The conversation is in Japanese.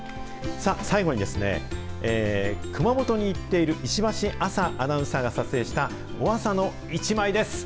最後に、熊本に行っている石橋亜紗アナウンサーが撮影した、オアサのイチマイです。